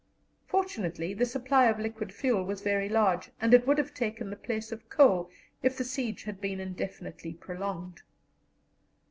Fortunately, the supply of liquid fuel was very large, and it would have taken the place of coal if the siege had been indefinitely prolonged.